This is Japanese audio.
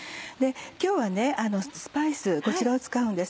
今日はスパイスこちらを使うんです。